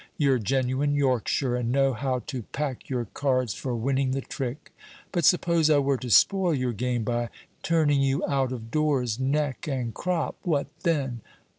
You're genuine Yorkshire, and know how to pack your cards for winning the trick. But suppose I were to spoil your game by turning you out of doors neck and crop? What then?"